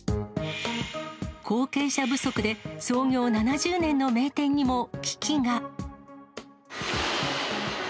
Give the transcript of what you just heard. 後継者不足で創業７０年の名店にも危機が。